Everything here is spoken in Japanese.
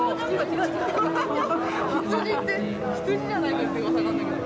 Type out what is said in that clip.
羊って羊じゃないかってうわさなんだけど。